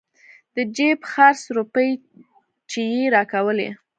د جيب خرڅ روپۍ چې يې راکولې.